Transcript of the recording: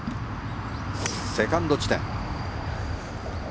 セカンド地点。